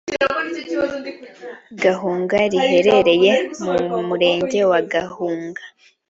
Gahunga riherereye mu murenge wa Gahunga